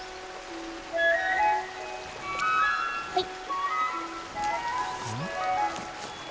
はい。